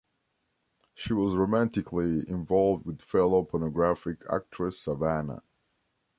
She was romantically involved with fellow pornographic actress Savannah.